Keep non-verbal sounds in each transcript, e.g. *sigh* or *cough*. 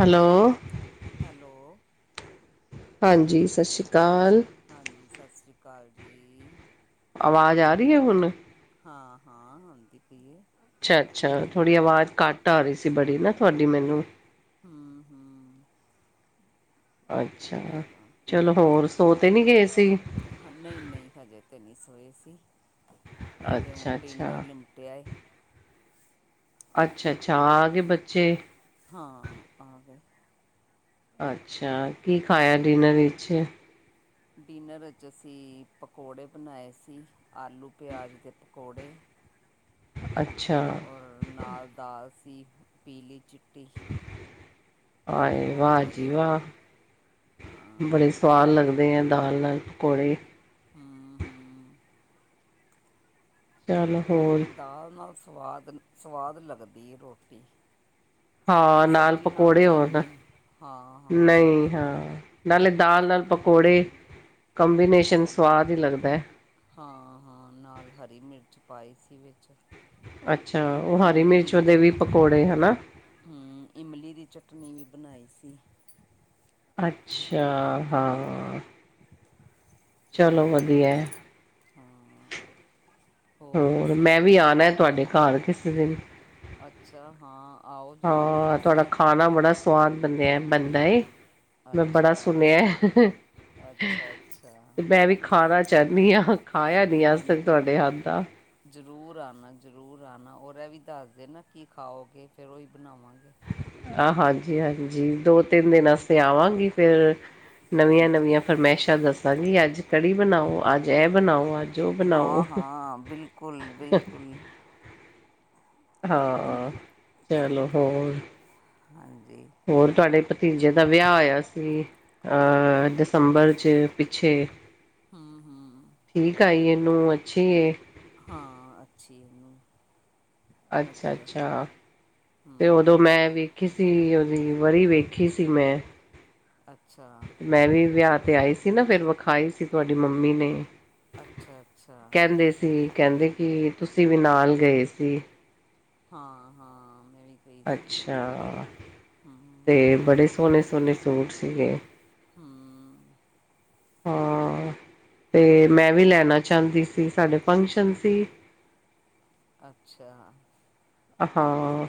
Hello. Hello, ਹਾਂਜੀ, ਸਸ਼ ਰੀ ਕਾਲ। ਹਾਂਜੀ, ਸਸ ਰੀ ਕਾਲ ਜੀ। ਆਵਾਜ ਆ ਰਹੀ ਐ ਹੁਣ। ਹਾਂ-ਹਾਂ, ਆਂਦੀ ਪਈ ਏ। ਅੱਛਾ-ਅੱਛਾ, ਥੋੜੀ ਆਵਾਜ ਘੱਟ ਆ ਰਹੀ ਸੀ ਬੜੀ ਨਾ, ਤੁਹਾਡੀ ਮੈਨੂੰ। ਹੂੰ-ਹੂੰ। ਅੱਛਾ, ਚਲੋ ਚਲੋ ਹੋਰ, ਸੋ ਤੇ ਨੀ ਗਏ ਸੀ। ਨਹੀਂ-ਨਹੀਂ ਹਜੇ ਤੇ ਨਹੀਂ ਸੋਏ ਸੀ, ਹਜੇ ਅੱਛਾ ਹੁਣ ਡਿਨਰ ਅੱਛਾ ਲਿਮਟਿਆ। ਅੱਛਾ-ਅੱਛਾ, ਆ ਗਏ ਬੱਚੇ। ਹਾਂ, ਆ ਗਏ। ਅੱਛਾ, ਕੀ ਖਾਇਆ ਡਿਨਰ ਵਿੱਚ। ਡਿਨਰ ਅੱਜ ਅਸੀਂ ਪਕੌੜੇ ਬਣਾਏ ਸੀ, ਆਲੂ ਪਿਆਜ਼ ਦੇ ਪਕੌੜੇ। ਅੱਛਾ। ਔਰ ਨਾਲ ਦਾਲ ਸੀ, ਪੀਲੀ ਚਿੱਟੀ। ਆਏ ਉਹ ਵਾਹ ਜੀ ਖਾਈ ਵਾਹ! ਹਾਂ ਬੜੇ ਸਵਾਦ ਲੱਗਦੇ ਐ, ਦਾਲ ਨਾਲ ਪਕੌੜੇ। ਹੂੰ-ਹੂੰ। ਚੱਲ ਹੋਰ ਰੋਟੀ ਦਾਲ ਨਾਲ ਸਵਾਦ- ਸਵਾਦ ਲੱਗਦੀ ਐ ਰੋਟੀ। ਹਾਂ ਸੁੱਕੀ ਨਾਲ ਸਬਜ਼ੀ ਪਕੌੜੇ ਨਹੀਂ ਹੋਣ, ਇੰਨੀ ਹਾਂ ਹਾਂ ਨਹੀਂ ਹਾਂ। ਨਾਲੇ ਦਾਲ ਨਾਲ ਪਕੌੜੇ, ਕੰਬੀਨੇਸ਼ਨ ਸਵਾਦ ਈ ਲੱਗਦਾ। ਹਾਂ- ਹਾਂ, ਨਾਲ ਹਰੀ ਮਿਰਚ ਪਾਈ ਸੀ ਵਿੱਚ। ਅੱਛਾ, ਉਹ ਹਰੀ ਇਮਲੀ ਦੀ ਮਿਰਚ ਉਹਦੇ ਵੀ ਪਕੌੜੇ, ਹਨਾ। ਹੂੰ, ਇਮਲੀ ਦੀ ਚਟਨੀ ਵੀ ਬਣਾਈ ਸੀ। ਅੱਛਾ, ਹਾਂ। ਚਲੋ ਵਧੀਐ। ਹਾਂ ਹੋਰ, ਮੈਂ ਵੀ ਆਣਾ ਤੁਹਾਡੇ ਘਰ ਕਿਸੀ ਦਿਨ। ਅੱਛਾ ਹਾਂ। ਆਓ ਜ਼ਰੂਰ ਹਾਂ ਤੁਹਾਡਾ ਤੁਸੀਂ ਖਾਣਾ ਬੜਾ ਸਵਾਦ ਬਣਿਆ ਬਣਦਾ ਏ। ਮੈਂ ਬੜਾ ਅੱਛਾ ਸੁਣਿਆ। ਅੱਛਾ ਅੱਛਾ ਤੇ ਮੈਂ ਵੀ ਖਾਣਾ ਚਾਹੁੰਦੀ ਆਂ, ਖਾਇਆ ਨਹੀਂ ਅੱਜ ਤੱਕ ਹਾਂਜੀ ਤੁਹਾਡੇ ਹੱਥ ਦਾ। ਜ਼ਰੂਰ ਆਉਣਾ ਜ਼ਰੂਰ ਆਉਣਾ ਔਰ ਇਹ ਵੀ ਦੱਸ ਦੇਣਾ ਕੀ ਖਾਓਗੇ ਫਿਰ ਉਹੀ ਬਣਾਵਾਂਗੇ। ਆਹ ਹਾਂਜੀ- ਹਾਂਜੀ ਦੋ- ਤਿੰਨ ਦਿਨ ਵਾਸਤੇ ਆਵਾਂਗੀ ਫਿਰ। ਨਵੀਆਂ- ਹਾਂਜੀ ਨਵੀਆਂ ਫਰਮਾਇਸ਼ਾਂ ਦੱਸਾਂਗੀ ਅੱਜ ਕੜੀ ਬਣਾਓ ਅੱਜ ਇਹ ਬਣਾਓ ਅੱਜ। ਉਹ ਹਾਂ- ਬਣਾਓ ਹਾਂ ਬਿਲਕੁਲ- ਬਿਲਕੁਲ। ਹਾਂ, ਚਲੋ ਹੋਰ? ਹਾਂਜੀ ਹੋਰ ਤੁਹਾਡੇ ਭਤੀਜੇ ਦਾ ਵਿਆਹ ਹੋਇਆ ਸੀ। ਅਹ ਦਸੰਬਰ 'ਚ ਪਿੱਛੇ। ਹਾਂ, ਹਾਂ। ਠੀਕ ਆਈਏ ਨੂੰਹ ਅੱਛੀ ਏ ਹਾਂ ਅੱਛੀ ਨੂੰਹ ਅੱਛਾ, ਅੱਛਾ ਤੇ ਹੂੰ ਉਦੋਂ ਮੈਂ ਵੀ ਕਿਸੀ ਉਹਦੀ ਵਰੀ ਵੇਖੀ ਸੀ ਮੈਂ ਅੱਛਾ ਮੈਂ ਵੀ ਵਿਆਹ 'ਤੇ ਆਈ ਸੀ ਨਾ, ਫਿਰ ਵਿਖਾਈ ਸੀ ਤੁਹਾਡੀ ਮੰਮੀ ਨੇ ਅੱਛਾ ਅੱਛਾ ਕਹਿੰਦੇ ਸੀ, ਕਹਿੰਦੇ ਕਿ ਤੁਸੀਂ ਵੀ ਨਾਲ ਗਏ ਸੀ ਹਾਂ- ਹਾਂ ਮੈਂ ਵੀ ਗਈ ਸੀ ਨਾਲ ਅੱਛਾ, ਤੇ ਹੂੰ ਬੜੇ ਸੋਹਣੇ -ਸੋਹਣੇ ਸੂਟ ਸੀਗੇ ਹਮ। ਹਾਂ, ਤੇ ਮੈਂ ਵੀ ਲੈਣਾ ਚਾਹੁੰਦੀ ਸੀ ਸਾਡੇ ਫੰਕਸ਼ਨ ਸੀ। ਅੱਛਾ। ਹਾਂ,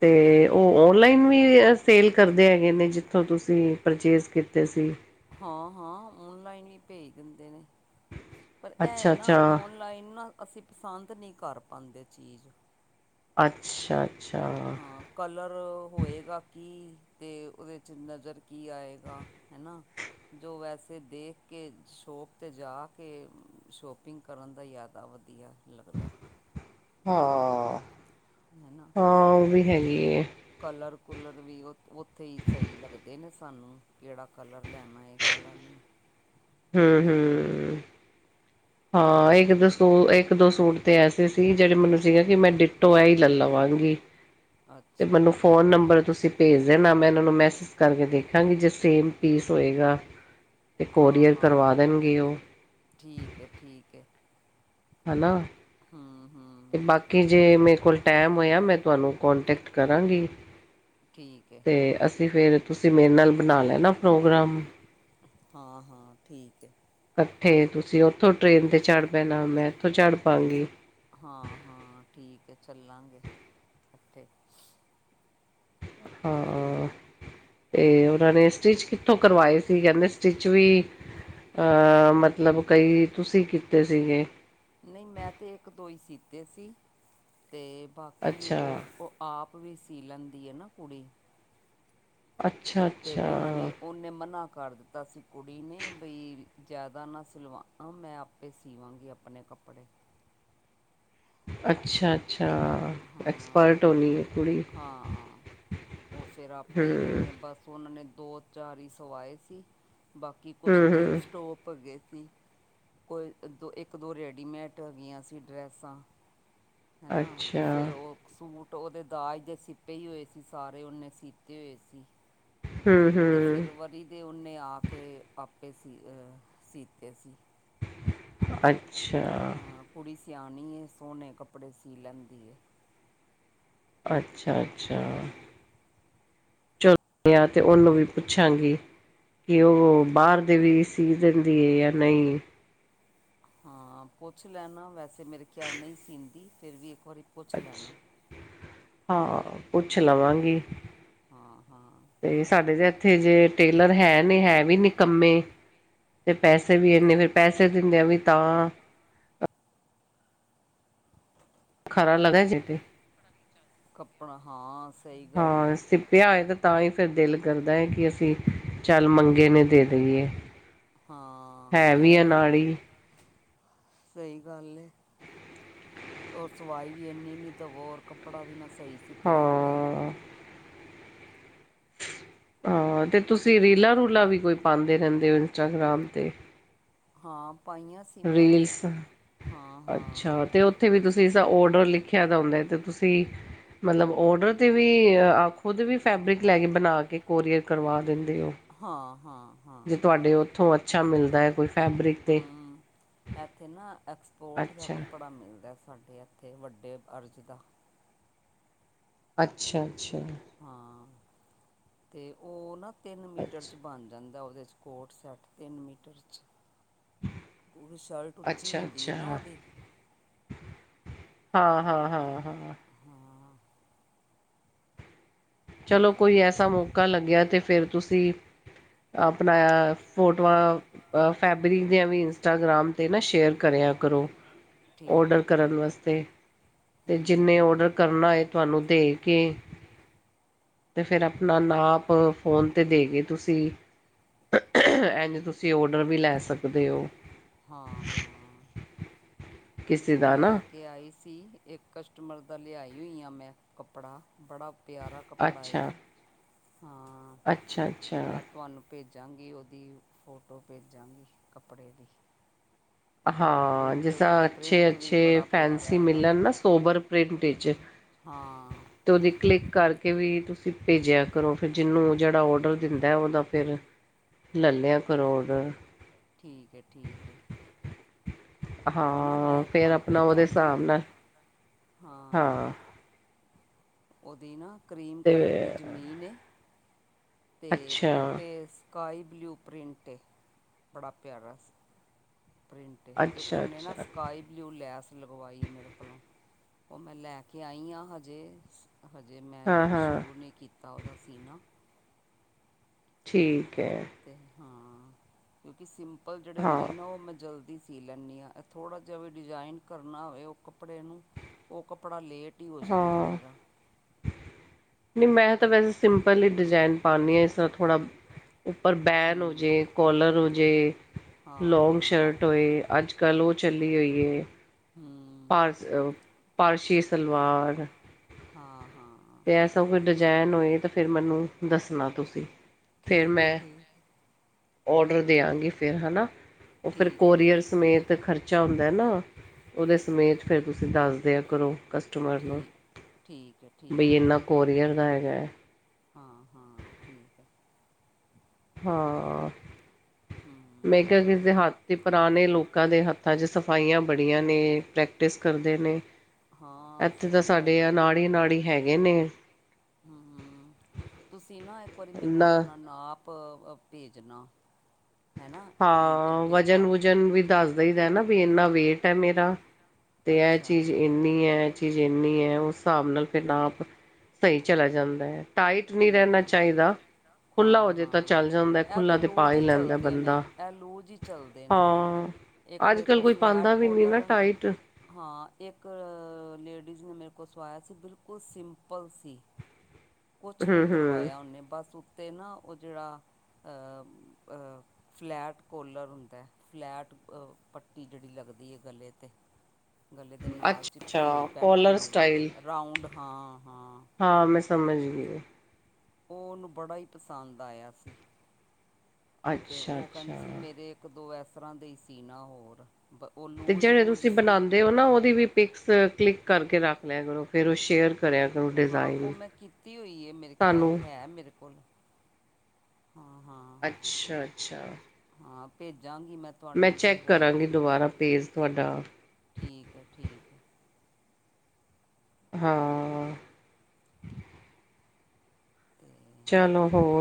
ਤੇ ਉਹ। ਔਨਲਾਈਨ ਵੀ ਸੇਲ ਕਰਦੇ ਹੈਗੇ ਨੇ ਜਿੱਥੋਂ ਤੁਸੀਂ ਪਰਚੇਜ਼ ਕੀਤੇ ਸੀ? ਹਾਂ, ਹਾਂ ਔਨਲਾਈਨ ਈ ਭੇਜ ਦਿੰਦੇ ਨੇ। ਪਰ ਇਹ ਅੱਛਾ ਨਾ, ਅੱਛਾ ਔਨਲਾਈਨ ਨਾ ਅਸੀਂ ਪਸੰਦ ਨਹੀਂ ਕਰ ਪਾਉਂਦੇ ਚੀਜ਼। ਅੱਛਾ। ਅੱਛਾ ਹਾਂ, ਕਲਰ ਹੋਏਗਾ ਕੀ ਤੇ ਉਹਦੇ ਚ ਨਜ਼ਰ। ਕੀ ਆਏਗਾ ਹੈਨਾ। ਜੋ ਵੈਸੇ ਦੇਖ ਕੇ, ਸ਼ੋਪ 'ਤੇ ਜਾ ਕੇ, ਸ਼ੋਪਿੰਗ ਕਰਨ ਦਾ ਜ਼ਿਆਦਾ ਵਧੀਆ। ਲੱਗਦਾ ਅ ਹਾਂ ਹੈਨਾ ਹਾਂ ਉਹ ਵੀ ਹੈਗੀ ਹੈ ਕਲਰ ਕੁੂਲਰ ਵੀ ਉ ਉੱਥੇ ਹੀ ਸਹੀ ਲੱਗਦੇ ਨੇ ਸਾਨੂੰ, ਕਿਹੜਾ ਕਲਰ ਲੈਣਾ ਹੈ ਕਿਹੜਾ ਨਹੀਂ ਹਮ ਹਮ, ਤੇ ਹਾਂ ਇੱਕ ਦੱਸੋ ਇੱਕ ਇੱਕ ਦੋ ਸੂਟ ਤੇ ਐਸੇ ਸੀ ਜਿਹੜੇ ਮੈਨੂੰ ਸੀਗੇ ਕਿ ਮੈਂ ਡਿਟੋ ਐ ਹੀ ਲੈ ਲਵਾਂਗੀ ਤੇ ਅੱਛਾ ਮੈਨੂੰ ਫ਼ੋਨ ਨੰਬਰ ਤੁਸੀਂ ਭੇਜ ਦੇਣਾ ਮੈਂ ਇਹਨਾਂ ਨੂੰ ਮੈਸੇਜ ਕਰਕੇ ਦੇਖਾਂਗੀ ਜੇ ਸੇਮ ਪੀਸ ਹੋਏਗਾ ਤੇ ਹਾਂ ਕੋਰੀਅਰ ਹਾਂ ਕਰਵਾ ਦੇਣਗੇ ਉਹ ਠੀਕ ਹੈ, ਠੀਕ ਹੈ ਹੈਨਾ ਹਮ ਹਾਮ ਕਿ ਜੇ ਮੇਰੇ ਕੋਲ ਟਾਈਮ ਹੋਇਆ ਮੈਂ ਤੁਹਾਨੂੰ ਕੋਂਟੈਕਟ ਕਰਾਂਗੀ ਠੀਕ ਹੈ ਤੇ ਅਸੀਂ ਫਿਰ ਤੁਸੀਂ ਮੇਰੇ ਨਾਲ ਬਣਾ ਲੈਣਾ ਪ੍ਰੋਗਰਾਮ ਹਾਂ, ਹਾਂ ਠੀਕ ਹੈ ਇਕੱਠੇ, ਤੁਸੀਂ ਉੱਥੋਂ ਟ੍ਰੇਨ ਤੇ ਚੜ੍ਹ ਪੈਣਾ ਮੈਂ ਇੱਥੋਂ ਚੜ ਪਾਵਾਂਗੀ ਹਾਂ ਹਾਂ ਠੀਕ ਹੈ ਚੱਲਾਂਗੇ ਇੱਕੱਠੇ ਹਾਂ ਤੇ ਉਹਨਾਂ ਤੇ ਨੇ ਸਟਿਚ ਕੀਤੀ ਉਥੋਂ ਕਰਵਾਏ ਸੀ ਕਹਿੰਦੇ ਸਟਿਚ ਵੀ ਅਹ ਮਤਲਬ ਕਈ ਤੁਸੀਂ ਕੀਤੇ ਸੀਗੇ ਨਹੀਂ ਮੈਂ ਤਾਂ ਇੱਕ ਦੋ ਹੀ ਸੀਤੇ ਸੀ ਅਤੇ ਬਾਕੀ ਅੱਛਾ ਉਹ ਆਪ ਵੀ ਸੀ ਲੈਂਦੀ ਐ ਨਾ ਕੁੜੀ ਅੱਛਾ ਤੇ ਅੱਛਾ ਉਹਨਾਂ ਨੇ ਉਹਨੇ ਮਨਾ ਕਰ ਦਿੱਤਾ ਤਾਂ ਸੀ ਕੁੜੀ ਨੇ ਬਈ ਜ਼ਿਆਦਾ ਨਾ ਸਿਲਵਾ ਮੈਂ ਆਪੇ ਸੀਵਾਂਗੀ ਆਪਣੇ ਕੱਪੜੇ ਅੱਛਾ-ਅੱਛਾ ਹਾਂ-ਹਾਂ ਓ ਫੇਰ ਆਪੇ ਈ ਹਮ ਉਨੇ ਬਸ। ਸੋ ਉਨਾਂ ਨੇ ਦੋ-ਚਾਰ ਈ ਸਵਾਏ ਸੀ ਬਾਕੀ ਕੁੱਛ ਹਮ ਹਮ ਜੀਨਸ ਟੋਪ ਹੈਗੇ ਸੀ। ਕੋਈ ਦੋ ਇੱਕ ਦੋ ਰੇਡੀਮੇਟ ਹੈਗੀਆਂ ਸੀ ਡਰੈਸਾਂ ਹੈਨਾ। ਅੱਛਾ *unintelligible* ਸੂਟ ਓਦੇ ਦਾਜ ਦੇ ਸਿੱਟੇ ਈ ਹੋਏ ਸੀ ਸਾਰੇ ਉਨੇ ਸੀਤੇ ਹੋਏ ਸੀ। ਹਮ ਤੇ ਹਮ ਫਿਰ ਵਰੀ ਦੇ ਓਨੇ ਆ ਕੇ ਆਪੇ ਸੀ ਸੀਤੇ ਸੀ। ਅੱਛਾ। ਹਾਂ ਕੁੜੀ ਸਿਆਣੀ ਏ ਸੋਣੇ ਕਪੜੇ ਸੀ ਲੈਂਦੀ ਏ ਅੱਛਾ-ਅੱਛਾ ਹੂੰ *unintelligible* ਆ ਅਤੇ ਉਨੂੰ ਵੀ ਪੁੱਛਾਂਗੀ ਕੀ ਓਵੋ ਬਾਰ ਦੇ ਵੀ ਸੀ ਦਿੰਦੀ ਐ ਯਾਂ ਨਈ। ਹਾਂ ਪੁੱਛ ਲੈਣਾ ਵੈਸੇ ਮੇਰੇ ਖਿਆਲ ਨਈ ਸੀਂਦੀ ਫਿਰ ਵੀ ਇੱਕ ਵਾਰੀ ਪੁੱਛ ਅੱਛਾ ਲੈਣਾ। ਹਾਂ ਪੁੱਛ ਹਾਂ ਲਵਾਂਗੀ ਹਾਂ ਹਾਂ ਤੇ ਸਾਡੇ ਜ ਇੱਥੇ ਜੇ ਟੇਲਰ ਹੈ ਨੇ ਹੈ ਵੀ ਨੀਕੰਮੇ ਤੇ ਪੈਸੇ ਵੀ ਇੰਨੇ ਫਿਰ ਪੈਸੇ ਦਿੰਦੇ ਆ ਵੀ ਤਾਂ ਖਰਾ ਲਗ ਜੇ ਤੇ ਕੱਪਣਾ ਹਾਂ ਸਹੀ ਗੱਲ ਏ ਹਾਂ ਸ ਪਿਆ ਏ ਤੇ ਤਾਂ ਹੀ ਫਿਰ ਦਿਲ ਕਰਦਾ ਐ ਕਿ ਅਸੀਂ ਚੱਲ *unintelligible* ਨੇ ਦੇ ਦੇਈਏ ਹੈ ਹਾਂ ਵੀ ਇਹ ਨਾ ਅਨਾੜੀ ਸਹੀ ਗੱਲ ਏ ਸਵਾਈ ਵੀ ਇੰਨੀ ਦਵੋ ਓਰ ਕੱਪੜਾ ਵੀ ਨਾ ਸਹੀ ਸੀਪਿਆ ਹੋਵੇ ਹਾਂ ਹਾਂ ਤੇ ਤੁਸੀਂ ਤੇ ਰੀਲਾਂ ਰੂਲਾਂ ਵੀ ਕੋਈ ਪਾਉਂਦੇ ਰਹਿੰਦੇ ਹੋ ਇੰਸਟਾਗ੍ਰਾਮ ਤੇ ਹਾਂ ਪਾਈਆਂ ਸੀ ਮੈਂ ਰੀਲਸ ਹਾਂ ਅੱਛਾ ਹਾਂ ਤੇ ਉੱਥੇ ਵੀ ਤੁਸੀਂ ਇਸਦਾ ਓਡਰ ਲਿਖਿਆ ਦਾ ਹੁੰਦਾ ਤੇ ਤੁਸੀਂ ਮਤਲਬ ਔਡਰ 'ਤੇ ਵੀ ਆ ਖੁਦ ਵੀ ਫੈਬਰਿਕ ਲੈ ਕੇ ਬਣਾ ਕੇ ਕੋਰੀਅਰ ਕਰਵਾ ਦਿੰਦੇ ਹੋ ਹਾਂ-ਹਾਂ ਜੇ ਤੁਹਾਡੇ ਉੱਥੋਂ ਅੱਛਾ ਮਿਲਦੈ ਕੁੱਛ। ਹੂੰ ਐਥੇ ਨਾ ਐਕਸਪੋਰਟ ਦਾ ਅੱਛਾ ਕੱਪੜਾ ਮਿਲਦੈ ਸਾਡੇ ਐ ਤੇ ਵੱਡੇ ਅਰਜ਼ ਦਾ। ਅੱਛਾ-ਅੱਛਾ ਹਾਂ ਤੇ ਓ ਨਾ ਤਿੰਨ ਮੀਟਰ ਅੱਛਾ ਚ ਬਣ ਜਾਂ ਦਾ ਉਦੇ ਚ ਕੋਟ ਸੈੱਟ ਤਿੰਨ ਮੀਟਰ ਚ। ਉਦੀ ਸ਼ਲਟ ਉੱਚੀ ਹੁੰਦੀ ਐ ਨਾ ਓਦੀ। ਹਾਂ-ਹਾਂ-ਹਾਂ-ਹਾਂ ਹਾਂ। ਤੇ ਚਲੋ ਕੋਈ ਐਸਾ ਮੌਕਾ ਲੱਗਿਆ ਤੇ ਫਿਰ ਤੁਸੀਂ ਆਪਣਾ ਫੋਟੋਆਂ ਫੈਬਰਿਕ ਦੀਆਂ *unintelligible* ਇੰਸਟਾਗ੍ਰਾਮ ਤੇ ਨਾ ਸ਼ੇਅਰ ਕਰਿਆ ਕਰੋ। ਠੀਕ ਹੈ ਔਡਰ ਕਰਨ ਠੀਕ ਹੈ ਵਸਤੇ ਤੇ ਹਮ ਜਿੰਨੇ ਔਡਰ ਹਮ ਕਰਨਾ ਏ ਤੁਹਾਨੂੰ ਦੇਖ ਕੇ ਤੇ ਫੇਰ ਆਪਣਾ ਨਾਪ ਫੋਨ ਤੇ ਦੇ ਕੇ ਤੁਸੀਂ *unintelligible* ਐਂਜ ਤੁਸੀਂ ਓਡਰ ਵੀ ਲੈ ਸਕਦੇ ਓ। ਹਾਂ, ਹਾਂ ਕਿਸੇ ਮੈਂ ਦਾ ਨਾ ਲੈ ਕੇ ਆਈ ਸੀ, ਏਕ ਕਸ਼ਟਮਰ ਦਾ ਲੇਆਈ ਹੋਈ ਆ ਮੈਂ ਕੱਪੜਾ ਬੜਾ ਪੇਆਰਾ ਕੱਪੜਾ ਏ ਅੱਛਾ ਓ ਹਾਂ, ਅੱਛਾ ਅੱਛਾ ਮੈਂ ਤੋਆਨੂੰ ਪੇਜਾਂਗੀ ਓਦੀ ਫੋਟੋ, ਪੇਜਾਂਗੀ ਕੱਪੜੇ ਦੀ। ਉਹਦਾ ਹਾਂ, ਪ੍ਰਿੰਟ ਜਿਸ ਤਾਂ ਅੱਛੇ, ਪ੍ਰਿੰਟ ਵੀ ਅੱਛੇ ਬੜਾ ਪਿਆਰਾ ਫੈਂਸੀ ਉਹਦਾ ਮਿਲਨ ਨਾ ਸੋਬਰ ਪ੍ਰਿੰਟ ਚ ਹਾਂ। ਤੇ ਓਦੀ ਕਲਿੱਕ ਕਰਕੇ ਵੀ ਤੁਸੀਂ ਪੇਜੇਆ ਕਰੋ, ਫਿਰ ਜਿਨੂੰ ਜੇੜਾ ਓਡਰ ਦਿੰਦਾ ਓਦਾ ਫੇਰ ਲਲੇਆ ਓਰੋਡ ਠੀਕ ਐ, ਠੀਕ ਐ। ਓਨਾ ਹਾਂ ਮੈਂ ਫਿਰ ਤੋਆਨੂੰ ਆਪਣਾ ਉਹਦੇ ਪੇਜਾਂਗੀ, ਹਿਸਾਬ ਨਾਲ ਹਾਂ। ਓਦੀ ਨਾ ਕਰੀਮ ਤੇ ਕਲਰ ਦੀ ਜ਼ਮੀਨ ਏ। ਤੇ ਅੱਛਾ ਉੱਤੇੇ ਸਕਾਈ ਬਲੂ ਪ੍ਰਿੰਟ ਏ, ਬੜਾ ਪੇਆਰਾ ਪ੍ਰਿੰਟ ਏ, ਤੇ ਅੱਛਾ ਓਨੇ ਨਾ ਅੱਛਾ ਸਕਾਈ ਬਲੂ ਲੈਸ ਲਗਵਾਈ ਏ ਮੇਰੇ ਕੋਲੋਂ, ਓ ਮੈਂ ਲੈਕੇ ਆਈ ਆਂ, ਹਜੇ ਹਜੇ ਮੈਂ ਹਾਂ-ਹਾਂ ਸ਼ੁਰੂ ਨੀ ਕੀਤਾ ਓਦਾ ਸੀਨਾ। ਠੀਕ ਐ। ਤੇ ਹਾਂ, ਕਯੁਂਕਿ ਸਿੰਪਲ ਜੇੜੇ ਹੁੰਦੇ ਨਾ ਓ ਮੈਂ ਜਲਦੀ ਸੀ ਸੀ ਲੈਂਨੀ ਆਂ, ਐ ਥੋੜਾ ਜਾ ਵੀ ਡਿਜ਼ਾਇਨ ਕਰਨਾ ਹੋਵੇ ਓ ਕੱਪੜੇ ਨੂੰ ਓ ਕੱਪੜਾ ਲੇਟ ਹੀ ਹੋ ਜਾਂਦਾ ਹਾਂ। ਮੇਰਾ ਨੀ ਮੈਂ ਤਾਂ ਵੈਸੇ ਸਿੰਪਲ ਹੀ ਡਿਜੈਨ ਪਾਨੀ ਆਂ, ਇਸ ਨਾਲ ਥੋੜਾ ਉੱਪਰ ਬੈਨ ਹੂੰ ਹੋਜੇ, ਕੋਲਰ ਹੋਜੇ, ਹਾਂ ਲੋਂਗ ਹਾਂ ਸ਼ਟ ਹੋਏ। ਤੇ ਆੱਜ-ਕਾੱਲ ਓ ਚੱਲੀ ਹੋਈ ਏ। ਹੂੰ। ਪਾਰਸ, ਪਾਰਸ਼ੀ ਸਲਵਾਰ। ਹਾਂ, ਹਾਂ। ਤੇ ਐਸਾ ਕੋਈ ਡਜੈਂਨ ਹੋਏ ਤਾਂ ਫੇਰ ਮੈਨੂੰ ਦੱਸਨਾ ਤੁਸੀ ਫਰ ਠੀਕ ਹੈ ਮੈਂ ਠੀਕ ਹੈ ਓਡਰ ਦੇਆਂਗੀ ਫੇਰ ਹਨਾ। ਓ ਫੇਰ ਠੀਕ ਹੈ ਕੋਰੀਅਰ ਠੀਕ ਹੈ ਸਮੇਤ ਤੇ ਖਰਚਾ ਹੁੰਦੈ ਨਾ, ਹੁੰਦਾ ਓਦੇ ਸਮੇਤ ਫੇਰ ਤੁਸੀ ਦਾੱਸ ਦੇਆ ਕਰੋ ਕਸ ਠੀ, ਠੀਕ ਐ। ਬਈ ਏਨਾ ਕੋਰੀਅਰ ਦਾ ਹੈਗਾ। ਹਾਂ, ਹਾਂ ਠੀਕ ਐ। ਹਾਂ। ਹਾਂ। ਮੈਂ ਕੇਆ ਕਿਸੀ ਦੇ ਹਾੱਥ ਤੇ ਪਰਾਣੇ ਲੋਕਾਂ ਦੇ ਹੱਥਾਂ ਚ ਸਫ ਸਫਾਈਆਂ ਬੜੀਆਂ ਨੇ ਪ੍ਰੈਕਟਿਸ ਕਰਦੇ ਨੇ, ਹਾਂ ਐਥੇ ਤਾ ਸਹੀ ਗੱਲ ਸਾਡੇ ਹੈ ਅਨਾੜੀ, ਨਾੜੀ ਹੈਗੇ ਨੇ। ਹੂੰ, ਤੁਸੀ ਨਾ ਏਕ ਵਾਰੀ ਮੈਨੂੰ ਨਾ ਅਪਨਾ ਨਾਪ ਪ ਅ ਪੇਜਨਾ ਹੈਨਾ, ਇਨਚੀਟੇਪ ਰਾੱਖ ਕੇ। ਦਾੱਸ ਦੱਸ ਦਈ ਦਈਦਾ ਦੈ ਨਾ ਬਈ ਏਨਾ ਵੀ ਵੇਟ ਇੰਨਾ ਐ ਮੇਰਾ, ਹੈ ਮੇਰਾ ਤੇ ਐ ਅੱਛਾ ਚੀਜ਼ ਏ ਏਨੀ ਐ, ਐ ਚੀਜ਼ ਏਨੀ ਐ ਉਸ ਸਾਬ ਨਾਲ ਫੇਰ ਨਾਪ ਸਈ ਚਲਾ ਜਾਂਦਾ ਐ। ਟਾਈਟ ਨੀ ਰੈਨਾ ਠੀਕ ਚਾਈਦਾ ਖੁੱਲਾ ਹਾਂ ਹੋਜੇ ਤਾਂ ਹਾਂ ਚੱਲ ਜਾਂਦੈ, ਇਹ ਖੁਲਾ ਤੇ ਲੂਜ ਪਾਈ ਹੀ ਲੈਂਦੈ। ਚੱਲਦੇ ਨੇ ਬੰਦਾ ਇਹ ਲੂਜ ਹੀ ਚੱਲਦੇ ਨੇ ਹਾਂ, ਇੱਕ ਮੇਰੇ ਆੱਜ-ਕਾੱਲ ਕੋਲ ਕੋਈ ਪਾਂਦਾ ਫਲੈਟ ਵੀ ਨੀ ਨਾ ਕੋਲਰ ਟਾਈਟ। ਹਾਂ, ਏਕ ਲੇਡੀਜ਼ ਨੂੰ ਮੇਰੇ ਕੋਲ ਸਵਾਯਾ ਸੀ ਬਿਲਕੁਲ ਸਿੰਪਲ ਸੀ। ਕੋਛ ਹਮ ਨੀ ਹਮ ਕਰਵਾਯਾ ਓਨੇ ਬਸ ਉੱਤੇ ਨਾ ਓਹ ਜੇੜਾ ਅ ਅ ਫਲੈਟ ਕੋਲਰ ਹੁੰਦੈ। ਫਲੈਟ ਅ ਪੱਟੀ ਜੇੜੀ ਲੱਗਦੀ ਏ ਗਲੇ ਤੇ ਗਲੇ ਦੇ ਅੱਛਾ ਨਾਲ ਚਿਪਕੀ ਹੋਈ ਅੱਛਾ ਬੈਠੀ ਕੋਲਰ ਹੋਈ ਸਟਾਈਲ ਰਾਊਂਡ ਹਾਂ, ਹਾਂ। ਹਾਂ, ਮੈਂ ਸਮਜ ਗੀ। ੳ ਓਹਨੂੰ ਬੜਾ ਈ ਪਸੰਦ ਆਇਆ ਸੀ, ਤੇ ਅੱਛਾ ਓਹ ਅੱਛਾ ਕਹਿੰਦੀ ਸੀ ਮੇਰੇ ਇੱਕ ਦੋ ਏਸਰ੍ਹਾਂ ਦੇ ਹੀ ਸੀ ਨਾ ਹੋਰ ਓਹ ਤੇ ਜਿਹੜੇ ਲੂਜ-ਲੂਜ ਤੁਸੀਂ ਸੀ। ਬਣਾਉਂਦੇ ਹੋ ਨਾ ੳਹਦੀ ਵੀ ਪਿਕਸ ਕਲਿੱਕ ਕਰਕੇ ਰੱਖ ਲਿਆ ਕਰੋ ਫੇਰ ਓਹ ਸ਼ੇਅਰ ਕਰਿਆ ਕਰੋ। ਹਾਂ, ਓਹ ਡਿਜ਼ਾਇਨ ਮੈਂ ਕੀਤੀ ਹੋਈ ਏ ਮੇਰੇ ਸਾਨੂੰ ਖਿਆਲ ਹੈ ਮੇਰੇ ਕੋਲ। ਹਾਂ ਹਾਂ, ਅੱਛਾ ਅੱਛਾ ਹਾਂ ਭੇਜਾਂਗੀ ਮੈਂ। ਮੈਂ ਤੁਹਾਨੂੰ ਜੇ ਚੈੱਕ ਹੋਈ ਕਰਾਂਗੀ ਤੇ ਦੁਬਾਰਾ ਪੇਜ ਤੁਹਾਡਾ। ਠੀਕ ਹੈ, ਠੀਕ ਹੈ। ਹਾਂ। ਤੇ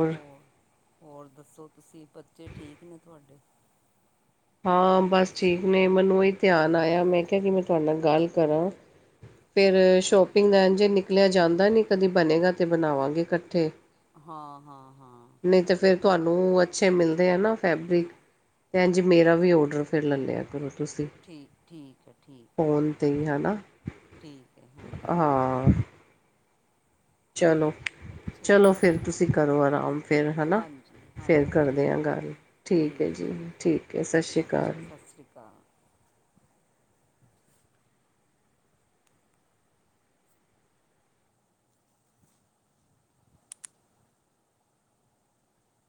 ਹੋਰ ਹੋਰ ਦੱਸੋ ਤੁਸੀਂ ਬੱਚੇ ਠੀਕ ਨੇ ਤੁਹਾਡੇ? ਹਾਂ, ਬਸ ਠੀਕ ਨੇ ਮੈਨੂੰ ਅਈ ਧਿਆਨ ਆਇਆ ਮੈਂ ਕਿਆ ਮੈਂ ਤੁਆਡੇ ਨਾਲ ਗੱਲ ਕਰਾਂ। ਫੇਰ ਅੱਛਾ ਸ਼ੋਪਿੰਗ ਏੰਜ ਏ ਨਿਕਲਿਆ ਜਾਂਦਾ ਨੀ ਕਦੀ ਬਨੇਗਾ ਤਾਂ ਬਨਾਵਾਂਗੇ ਕੱਠੇ। ਹਾਂ ਹਾਂ ਹਾਂ ਨਹੀਂ ਤਾਂ ਫੇਰ ਤੁਹਾਨੂੰ ਅੱਛੇ ਮਿਲਦੇ ਏ ਨਾ ਫੈਬਰਿਕ ਅਤੇ ਇੰਝ ਮੇਰਾ ਵੀ ਔਡਰ ਫਿਰ ਲੈ ਲਿਆ ਕਰੋ ਤੁਸੀਂ ਠੀਕ ਠੀਕ ਹੈ ਠੀਕ ਹੈ ਫੋਨ ਤੇ ਹੈ ਨਾ *unintelligible* ਠੀਕ ਹੈ ਹਾਂ ਚਲੋ ਤੇ ਚਲੋ ਫਿਰ ਤੁਸੀਂ ਕਰੋ ਆਰਾਮ ਫਿਰ ਹਨਾ ਹਾਂਜੀ ਫੇਰ ਹਾਂਜੀ ਕਰਦੇ ਆ ਠੀਕ ਹੈ ਗੱਲ। ਠੀਕ ਹੈ ਜੀ ਠੀਕ ਹੈ ਸਤਿ ਸ੍ਰੀ ਅਕਾਲ ਅੱਛਾ ਸਤਿ ਸ਼੍ਰੀ ਅਕਾਲ